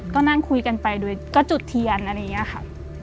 ก็นั่งคุยกันไปโดยก็จุดเทียนอะไรอย่างนี้ค่ะ